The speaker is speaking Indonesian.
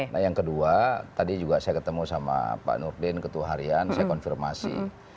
nah yang kedua tadi juga saya ketemu sama pak nurdin ketua harian saya konfirmasi